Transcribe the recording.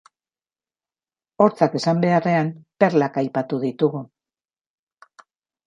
Hortzak esan beharrean, perlak aipatu ditugu.